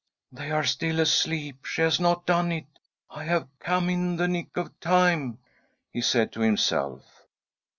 " They are still asleep. She has not done it I I have come in the nick of time," he said to himself.